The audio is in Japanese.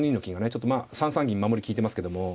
ちょっとまあ３三銀守り利いてますけども。